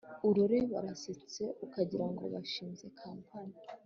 urore barasetse ukagira ngo bashinze campany